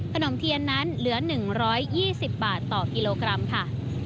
ขนมเทียนนั้นเหลือหนึ่งร้อยยี่สิบบาทต่อกิโลกรัมค่ะ